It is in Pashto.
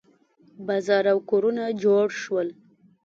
بازار او کورونه جوړ شول.